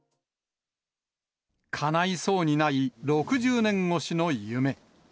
かないそうにない６０年越しの夢。